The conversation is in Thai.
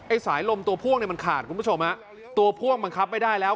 สายลมตัวพ่วงเนี่ยมันขาดคุณผู้ชมฮะตัวพ่วงบังคับไม่ได้แล้ว